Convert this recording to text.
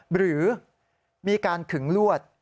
หรือมีการขึงลวด